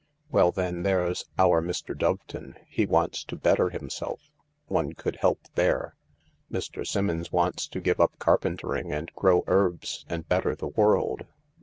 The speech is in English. " Well, then there's our Mr. Doveton— he wants to better himself ; one could help there. Mr. Simmons wants to give up carpentering and grow herbs and better the world.